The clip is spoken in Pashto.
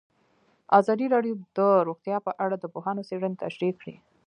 ازادي راډیو د روغتیا په اړه د پوهانو څېړنې تشریح کړې.